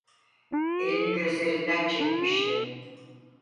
Elini gözlerinden çekmişti.